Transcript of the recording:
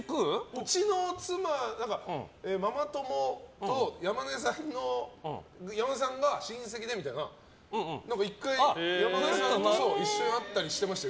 うちの妻、ママ友と山根さんが親戚でみたいな１回、山根さんと一緒に会ったりしてましたよ。